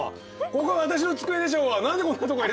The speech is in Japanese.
ここは私の机でしょうが！